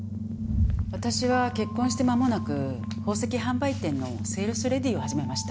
私は結婚してまもなく宝石販売店のセールスレディーを始めました。